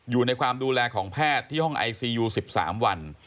อยู่ในความดูแลของแพทย์ที่ห้องไอซียู๑๓วัน